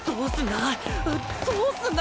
どうすんだ？